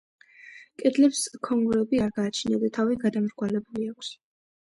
კედლებს ქონგურები არ გააჩნია და თავი გადამრგვალებული აქვს.